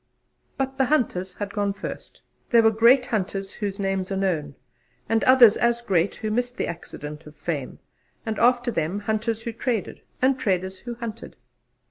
But the hunters had gone first. There were great hunters whose name are known; and others as great who missed the accident of fame; and after them hunters who traded, and traders who hunted.